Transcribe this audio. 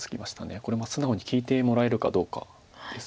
これも素直に利いてもらえるかどうかです。